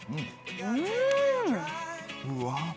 うん！